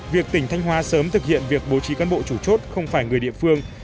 việc tỉnh thanh hóa sớm thực hiện việc bố trí cán bộ chủ chốt không phải người địa phương